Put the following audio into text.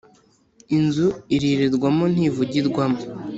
Inzu irirwamo ntivugirwamo